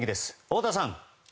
太田さん。